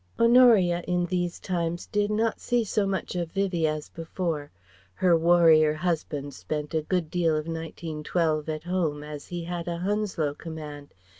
Honoria in these times did not see so much of Vivie as before. Her warrior husband spent a good deal of 1912 at home as he had a Hounslow command.